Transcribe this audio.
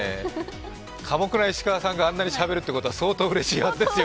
寡黙な石川さんがあんなにしゃべるということは相当うれしいはずですよ。